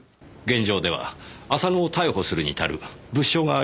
現状では浅野を逮捕するに足る物証がありません。